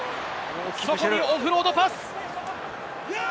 そこにオフロードパス。